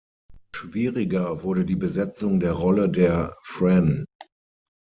Schwieriger wurde die Besetzung der Rolle der Fran.